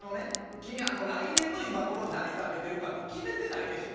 君、あの、来年の今頃何食べてるかって決めてないでしょ？